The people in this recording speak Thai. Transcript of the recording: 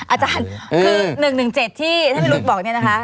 อาจารย์คือ๑๑๗ที่เฮะลุ๊กบอกไงนะคะ